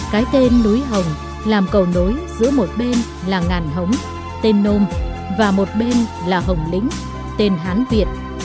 cái tên núi hồng làm cầu nối giữa một bên là ngàn hống tên nôm và một bên là hồng lính tên hán việt